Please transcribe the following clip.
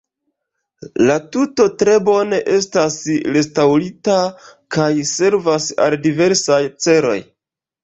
La tuto tre bone estas restaŭrita kaj servas al diversaj celoj.